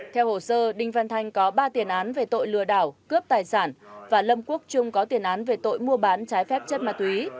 theo hồ sơ đinh văn thanh có ba tiền án về tội lừa đảo cướp tài sản và lâm quốc trung có tiền án về tội mua bán trái phép chất ma túy